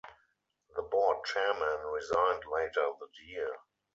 The board chairman resigned later that year.